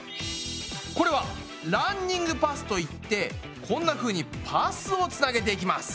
これはランニングパスといってこんなふうにパスをつなげていきます。